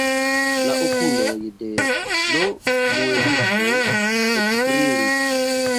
La okuloj de l' muelisto ekbrilis.